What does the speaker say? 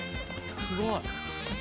すごい。